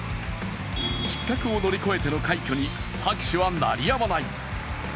失格を乗り越えての快挙に拍手は鳴りやまない。